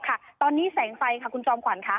ค่ะตอนนี้แสงไฟค่ะคุณจอมขวัญค่ะ